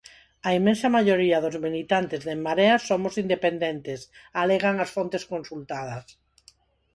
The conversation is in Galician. A inmensa maioría dos militantes de En Marea somos independentes, alegan as fontes consultadas.